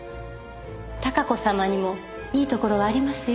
孝子様にもいいところはありますよ。